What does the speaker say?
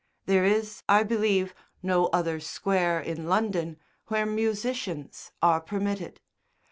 There is, I believe, no other square in London where musicians are permitted.